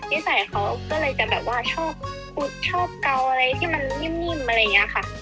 นิสัยเขาก็เลยจะแบบว่าชอบขุดชอบเกาอะไรที่มันนิ่มอะไรอย่างนี้ค่ะ